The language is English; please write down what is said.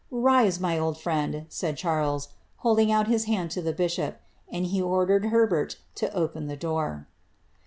^ Rise, my old friend,'' said Charles, holding out his hand to the bishop, and he ordered Herbert to open the door.